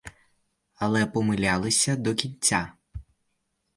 Але помилялися до кінця.